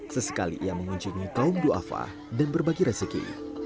sesekali ia mengunjungi kaum duafa dan berbagi rezeki